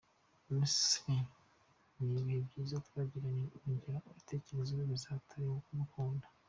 Nonese ntabihe byiza mwagiranye ungera ubitekerezeho bizagutera kumukunda.